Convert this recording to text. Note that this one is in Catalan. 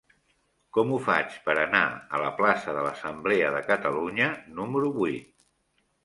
Com ho faig per anar a la plaça de l'Assemblea de Catalunya número vuit?